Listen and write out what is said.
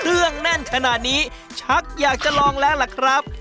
เครื่องแน่นขนาดนี้ชักอยากจะลองแล้วล่ะครับ